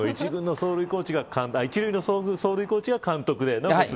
１軍の走塁コーチが監督でなおかつ